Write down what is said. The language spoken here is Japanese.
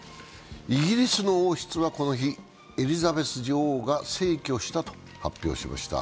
イギリスの王室はこの日、エリザベス女王が逝去したと発表しました。